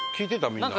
みんな。